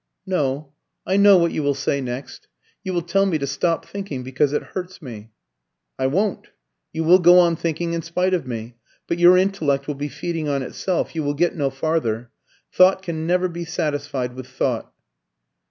"No; I know what you will say next. You will tell me to stop thinking because it hurts me." "I won't. You will go on thinking in spite of me. But your intellect will be feeding on itself. You will get no farther. Thought can never be satisfied with thought."